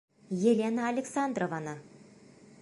— Елена Александрованы!